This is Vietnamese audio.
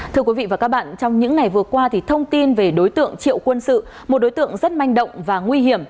thưa quý vị và các bạn trong những ngày vừa qua thì thông tin về đối tượng triệu quân sự một đối tượng rất manh động và nguy hiểm